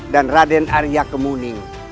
dan raden arya kemuning